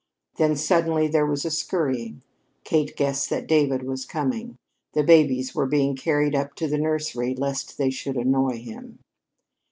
Then suddenly there was a scurrying. Kate guessed that David was coming. The babies were being carried up to the nursery lest they should annoy him.